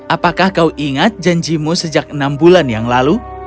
apakah kau ingat janjimu sejak enam bulan yang lalu